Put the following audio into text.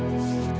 ya makasih ya